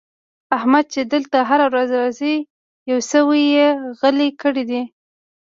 احمد چې دلته هره ورځ راځي؛ يو سوی يې غلی کړی دی.